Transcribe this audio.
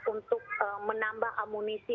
untuk menambah amunisi